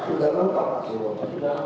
sudah lengkap pak